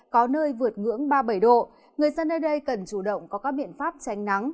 có nơi vượt ngưỡng ba mươi bảy độ người dân nơi đây cần chủ động có các biện pháp tránh nắng